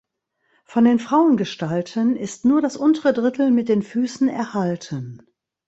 Von den Frauengestalten ist nur das untere Drittel mit den Füßen erhalten.